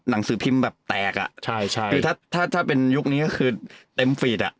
หนังสือพิมพ์แบบแตกอ่ะใช่ใช่คือถ้าถ้าเป็นยุคนี้ก็คือเต็มฟีดอ่ะ